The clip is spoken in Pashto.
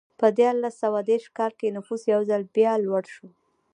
په دیارلس سوه دېرش کال کې نفوس یو ځل بیا لوړ شو.